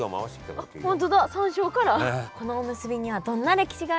このおむすびにはどんな歴史があるのか。